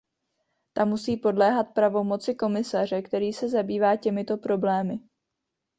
Ta musí podléhat pravomoci komisaře, který se zabývá těmito problémy.